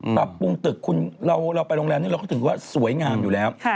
ปรับปรุงตึกคุณเราไปโรงแรมนี้เราก็ถือว่าสวยงามอยู่แล้ว